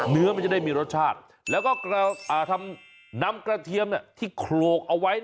มันจะได้มีรสชาติแล้วก็นำกระเทียมที่โขลกเอาไว้